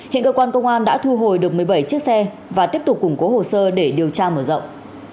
hiện cơ quan công an đã thu hồi được một mươi bảy chiếc xe và tiếp tục củng cố hồ sơ để điều tra mở rộng